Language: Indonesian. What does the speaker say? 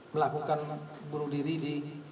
melakukan bunuh diri di